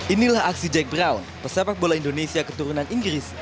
inilah aksi jack brown pesepak bola indonesia keturunan inggris